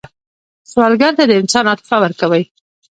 سوالګر ته د انسان عاطفه ورکوئ